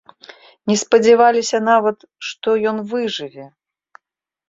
Не спадзяваліся нават, што ён выжыве.